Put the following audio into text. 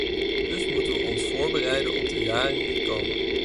Dus moeten we ons voorbereiden op de jaren die komen.